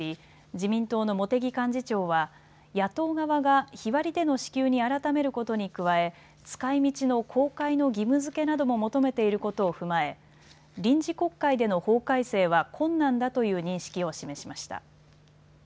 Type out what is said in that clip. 自民党の茂木幹事長は野党側が日割りでの支給に改めることに加え、使いみちの公開の義務づけなども求めていることを踏まえ臨時国会での法改正は困難だという認識を示しました。